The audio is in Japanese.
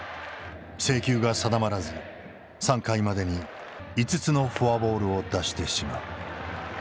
制球が定まらず３回までに５つのフォアボールを出してしまう。